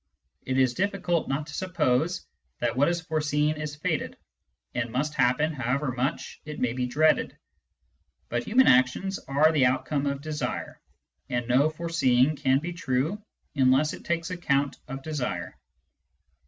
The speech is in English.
It is difficult not to suppose that what is foreseen is fated, and must happen however much it may be dreaded: But human actions are the outcome of desire, and no foreseeing can be true unless it takes accovmt of desire.